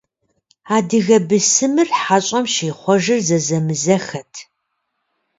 Адыгэ бысымыр хьэщӀэм щихъуэжыр зэзэмызэххэт.